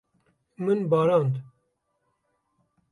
Min barand.